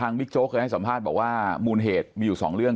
บิ๊กโจ๊กเคยให้สัมภาษณ์บอกว่ามูลเหตุมีอยู่สองเรื่อง